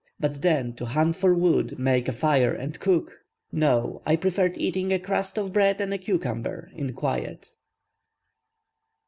But then to hunt for wood, make a fire, and cook! No; I preferred eating a crust of bread and a cucumber in quiet.